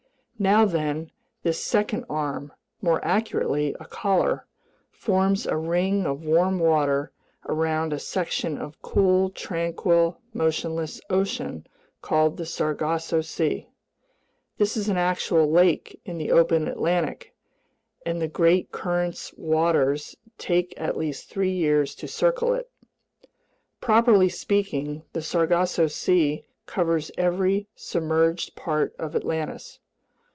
Now then, this second arm—more accurately, a collar—forms a ring of warm water around a section of cool, tranquil, motionless ocean called the Sargasso Sea. This is an actual lake in the open Atlantic, and the great current's waters take at least three years to circle it. Properly speaking, the Sargasso Sea covers every submerged part of Atlantis.